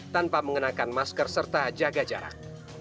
tanpa mengenakan masker serta jaga jarak